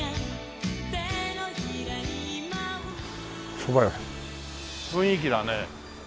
そば屋雰囲気だね。